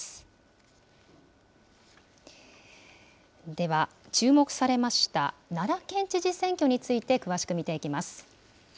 では、注目されました奈良県知事選挙について、詳しく見ていきます。